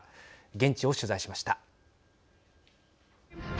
現地を取材しました。